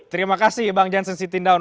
terima kasih bang jansen sitting down